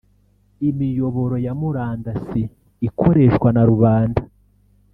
Imiyoboro ya murandasi ikoreshwa na rubanda